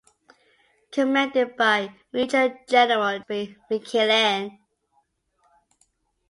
Commanded by Major General George B. McClellan.